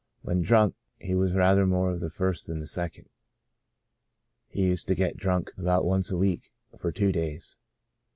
When drunk, he was rather more of the first than the second. He used to get drunk about once a week, for two days.